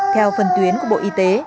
theo phân tuyến của bộ y tế